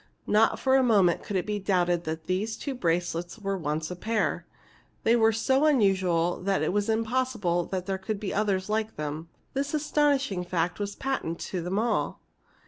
Not for a moment could it be doubted that these two bracelets were once a pair. They were so unusual that it was impossible there could be others like them. This astonishing fact was patent to them all.